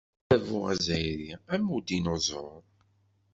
Adabu azzayri am udinuẓur.